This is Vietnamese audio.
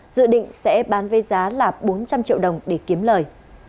dự định sẽ bán với giá là bốn trăm linh triệu đồng để kiếm lời